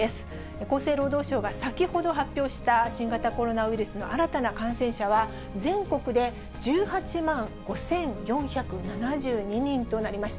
厚生労働省が先ほど発表した新型コロナウイルスの新たな感染者は、全国で１８万５４７２人となりました。